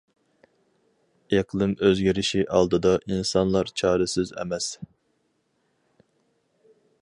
ئىقلىم ئۆزگىرىشى ئالدىدا ئىنسانلار چارىسىز ئەمەس.